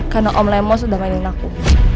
karena om lemos udah mainin aku